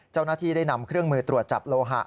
เจ้าหน้าที่ได้นำเครื่องมือตรวจจับโลหะ